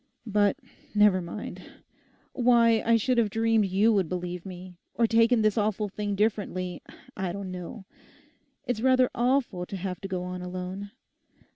But never mind; why I should have dreamed you would believe me; or taken this awful thing differently, I don't know. It's rather awful to have to go on alone.